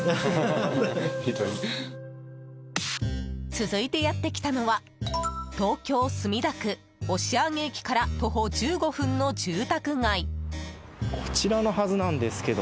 続いて、やってきたのは東京・墨田区押上駅から徒歩１５分の住宅街。